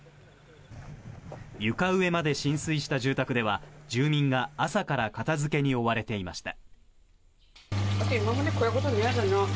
床上まで浸水した住宅では住民が朝から片付けに追われていました。